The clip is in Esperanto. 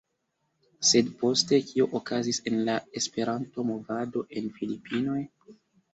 Sed poste, kio okazis en la Esperanto-Movado en Filipinoj?